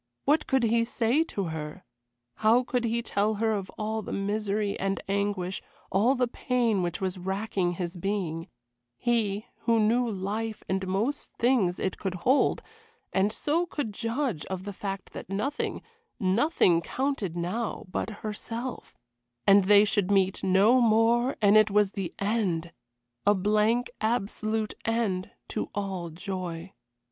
What could he say to her? How could he tell her of all the misery and anguish, all the pain which was racking his being; he, who knew life and most things it could hold, and so could judge of the fact that nothing, nothing, counted now but herself and they should meet no more, and it was the end. A blank, absolute end to all joy.